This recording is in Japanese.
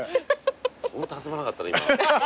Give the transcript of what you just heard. ホント弾まなかったな今。